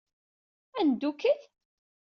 Ad neddukkel?